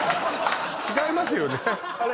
違いますよね？